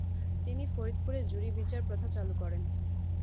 তিনি ফরিদপুরে ‘জুরি’ বিচার প্রথা চালু করেন।